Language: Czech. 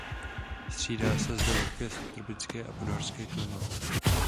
Střídá se zde vlhké subtropické a podhorské klima.